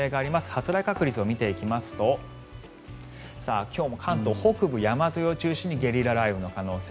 発雷確率を見ていきますと今日も関東北部、山沿いを中心にゲリラ雷雨の可能性。